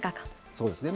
そうですね。